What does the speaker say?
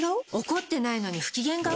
怒ってないのに不機嫌顔？